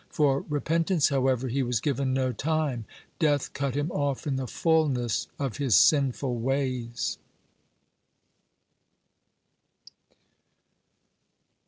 For repentance, however, he was given no time; death cut him off in the fulness of his sinful ways.